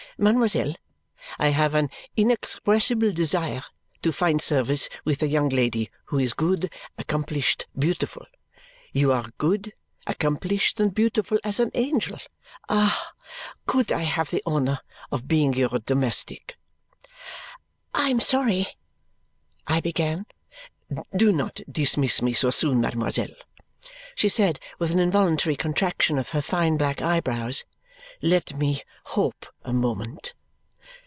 Mademoiselle, I have an inexpressible desire to find service with a young lady who is good, accomplished, beautiful. You are good, accomplished, and beautiful as an angel. Ah, could I have the honour of being your domestic!" "I am sorry " I began. "Do not dismiss me so soon, mademoiselle!" she said with an involuntary contraction of her fine black eyebrows. "Let me hope a moment!